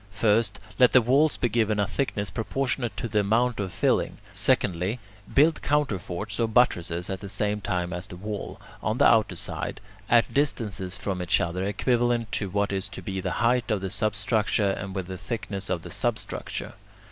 First, let the walls be given a thickness proportionate to the amount of filling; secondly, build counterforts or buttresses at the same time as the wall, on the outer side, at distances from each other equivalent to what is to be the height of the substructure and with the thickness of the substructure.